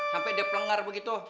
sampai dia pelenggar begitu